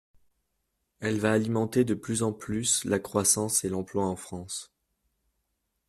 Elle va alimenter de plus en plus la croissance et l’emploi en France.